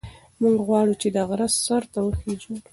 موږ غواړو چې د غره سر ته وخېژو.